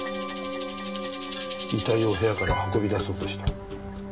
遺体を部屋から運び出そうとした？